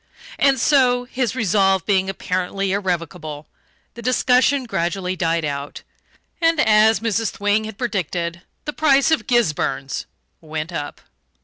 And so his resolve being apparently irrevocable the discussion gradually died out, and, as Mrs. Thwing had predicted, the price of "Gisburns" went up.